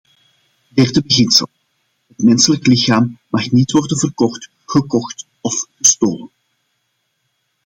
Derde beginsel: het menselijk lichaam mag niet worden verkocht, gekocht of gestolen.